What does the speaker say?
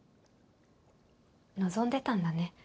望んでたんだね